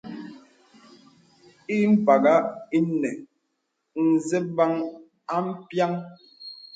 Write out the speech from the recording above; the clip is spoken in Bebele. Ì pàghā ìnə nzəbəŋ à mpiaŋ.